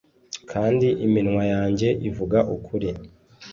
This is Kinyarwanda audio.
kandi iminwa yanjye ivuga ukuri